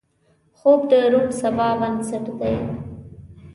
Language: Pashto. خوب د روڼ سبا بنسټ دی